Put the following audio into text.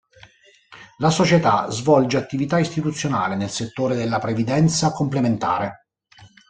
La società svolge attività istituzionale nel settore della previdenza complementare.